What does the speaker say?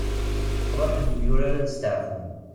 Ruḥen yemyurar ad steɛfun.